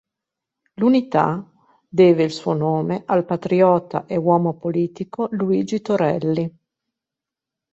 L'unità deve il suo nome al patriota e uomo politico Luigi Torelli.